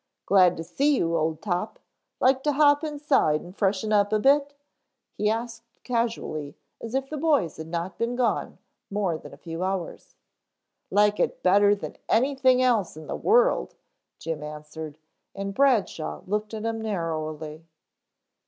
"Glad to see you, Old Top. Like to hop inside and freshen up a bit?" he asked casually as if the boys had not been gone more than a few hours. "Like it better than anything else in the world," Jim answered, and Bradshaw looked at him narrowly.